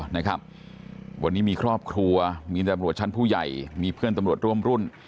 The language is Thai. นะครับวันนี้มีครอบครัวมีตำรวจชั้นผู้ใหญ่มีเพื่อนตำรวจร่วมรุ่น